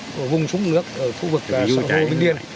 của vùng súng nước ở phụ vực sông hồ vinh điên